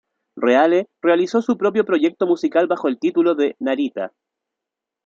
Reale realizó su propio proyecto musical bajo el título de Narita.